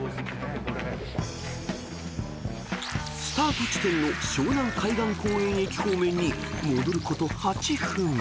［スタート地点の湘南海岸公園駅方面に戻ること８分］